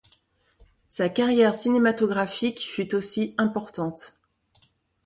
Sa carrière cinématographique fut aussi importante.